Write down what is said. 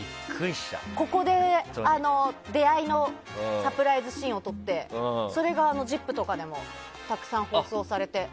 ここで出会いのサプライズシーンを撮ってそれが「ＺＩＰ！」とかでもたくさん放送されて。